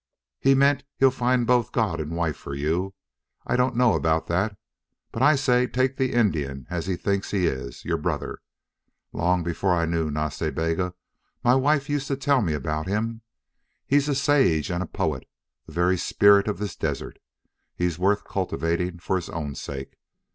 He meant he'll find both God and wife for you. I don't know about that, but I say take the Indian as he thinks he is your brother. Long before I knew Nas Ta Bega well my wife used to tell me about him. He's a sage and a poet the very spirit of this desert. He's worth cultivating for his own sake.